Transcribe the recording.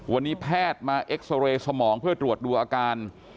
วันนี้แพทย์มาเอ็กซอเรย์สมองเพื่อตรวจดูอาการ